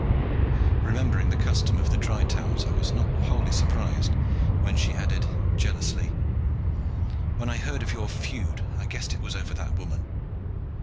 Remembering the custom of the Dry towns, I was not wholly surprised when she added, jealously, "When I heard of your feud, I guessed it was over that woman!"